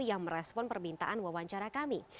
yang merespon permintaan wawancara kami